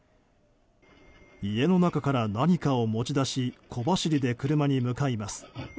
家の中から何かを持ち出し小走りで車に向かいます。